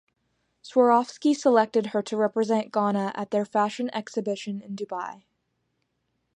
Swarovski selected her to represent Ghana at their Fashion Exhibition in Dubai.